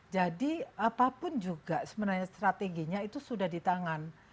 jadi apapun juga sebenarnya strateginya itu sudah di tangan